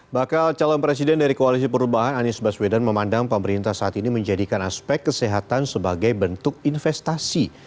bakal calon presiden dari koalisi perubahan anies baswedan memandang pemerintah saat ini menjadikan aspek kesehatan sebagai bentuk investasi